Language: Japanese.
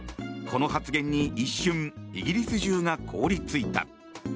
この発言に一瞬イギリス中が凍り付いた。